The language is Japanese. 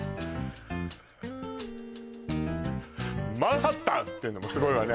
フフフマンハッタンっていうのもすごいわね